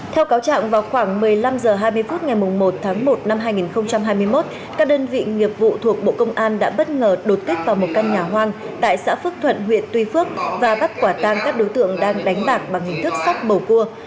theo cáo trạng vào khoảng một mươi năm h hai mươi phút ngày một tháng một năm hai nghìn hai mươi một các đơn vị nghiệp vụ thuộc bộ công an đã bất ngờ đột kích vào một căn nhà hoang tại xã phước thuận huyện tuy phước và bắt quả tan các đối tượng đang đánh bạc bằng hình thức sóc bầu cua